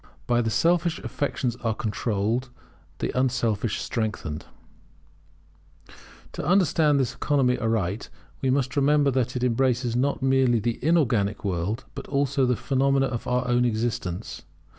[By it the selfish affections are controlled; the unselfish strengthened] To understand this economy aright; we must remember that it embraces not merely the inorganic world, but also the phenomena of our own existence.